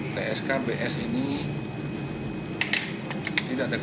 pskbs ini tidak tegas